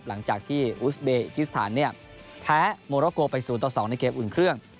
หลังจากที่อูซเบคิสถานเนี่ยแพ้โมรกัวไปสู่ตัวสองในเกลกอุ่นเครื่อง